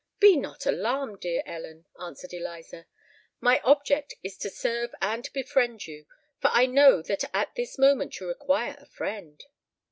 "Be not alarmed, dear Ellen," answered Eliza: "my object is to serve and befriend you—for I know that at this moment you require a friend!"